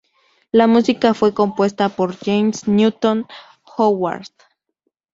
La música fue compuesta por James Newton-Howard.